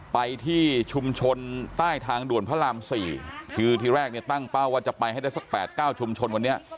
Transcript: ไปที่ชุมชนใต้ทางด่วนพระราม๔คือที่แรกเนี่ยตั้งเป้าว่าจะไปให้ได้สัก๘๙ชุมชนวันนี้